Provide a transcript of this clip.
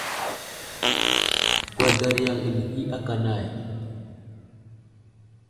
Gwadar yaŋ anehi aka nay.